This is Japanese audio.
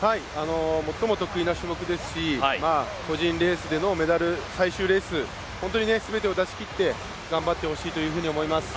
最も得意な種目ですし個人レースでのメダル最終レース、本当に、全てを出し切って頑張ってほしいなと思います。